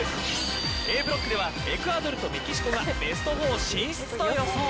Ａブロックではエクアドルとメキシコがベスト４進出と予想。